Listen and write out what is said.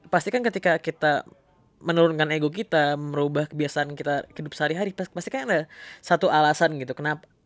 pasti kan ketika kita menurunkan ego kita merubah kebiasaan kita hidup sehari hari pasti kan ada satu alasan gitu kenapa